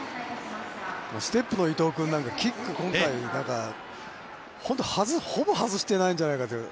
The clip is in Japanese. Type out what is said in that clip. ◆ステップの伊藤君なんか、キック、今回、本当ほぼ外してないんじゃないかという。